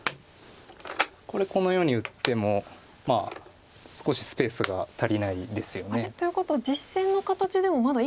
これこのように打っても少しスペースが足りないですよね。ということは実戦の形でもまだ生きてない。